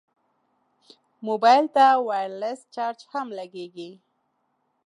موبایل ته وایرلس چارج هم لګېږي.